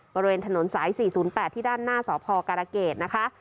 บริเวณถนนสาย๔๐๘ที่ด้านหน้าสพการเกษนะคะ